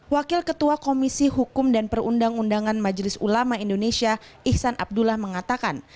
wakil ketua komisi hukum dan perundang undangan majelis ulama indonesia ihsan abdullah mengatakan